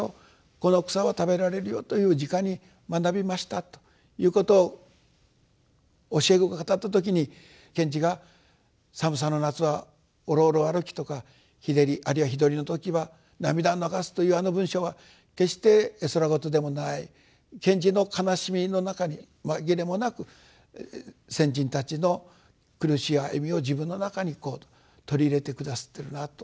この草は食べられるよ」という「じかに学びました」ということを教え子が語った時に賢治が「寒さの夏はおろおろ歩き」とか「日照り」あるいは「独りのときは涙を流す」というあの文章は決して絵空事でもない賢治の哀しみの中にまぎれもなく先人たちの苦しい歩みを自分の中に取り入れて下さっているなと。